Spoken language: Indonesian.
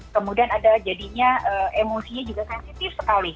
kemudian ada jadinya emosinya juga sensitif sekali